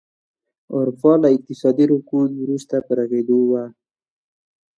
اروپا له اقتصادي رکود وروسته په غوړېدو وه.